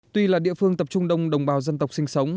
tuy là địa phương tập trung đông đồng bào dân tộc sinh sống